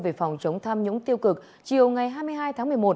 về phòng chống tham nhũng tiêu cực chiều ngày hai mươi hai tháng một mươi một